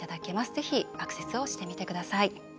ぜひアクセスをしてみてください。